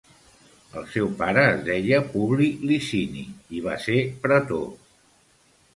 El seu pare es deia Publi Licini, i va ser pretor.